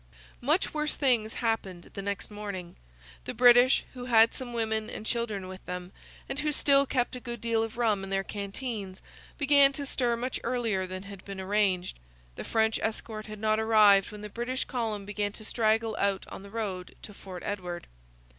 Much worse things happened the next morning. The British, who had some women and children with them, and who still kept a good deal of rum in their canteens, began to stir much earlier than had been arranged. The French escort had not arrived when the British column began to straggle out on the road to Fort Edward.